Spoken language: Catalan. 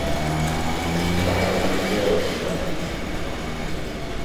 Va la família de la Suraj.